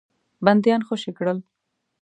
بندیان خوشي کړل.